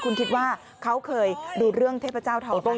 คุณคิดว่าเขาเคยดูเรื่องเทพเจ้าทองบ้าง